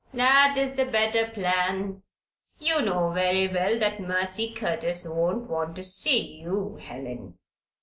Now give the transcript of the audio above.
that is the better plan. You know very well that Mercy Curtis won't want to see you, Helen."